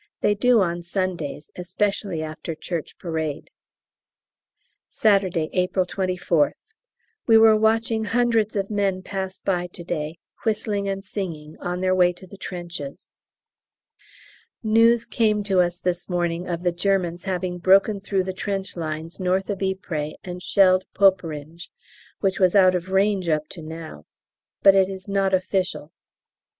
They do on Sundays especially after Church Parade. Saturday, April 24th. We were watching hundreds of men pass by to day, whistling and singing, on their way to the trenches. News came to us this morning of the Germans having broken through the trench lines north of Ypres and shelled Poperinghe, which was out of range up to now, but it is not official.